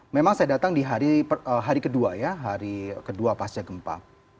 memang saya datang di hari kedua ya hari kedua pasca gempa